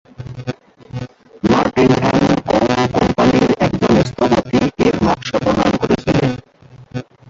Martin and co কোম্পানির একজন স্থপতি এর নকশা প্রণয়ন করেছিলেন।